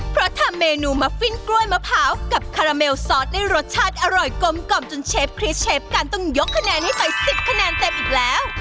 เพราะทำเมนูมาฟิ้นกล้วยมะพร้าวกับคาราเมลซอสได้รสชาติอร่อยกลมกล่อมจนเชฟคริสเชฟกันต้องยกคะแนนให้ไป๑๐คะแนนเต็มอีกแล้ว